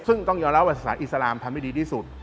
ซึ่งต้องยอมรับว่าสถานอิสลามทำให้ดีที่สุด